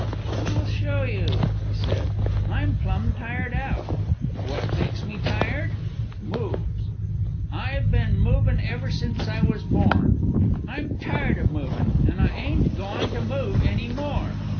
"I'll show you," he said. "I'm plum' tired out. What makes me tired? Moves. I've ben movin' ever since I was born. I'm tired of movin', an' I ain't goin' to move any more.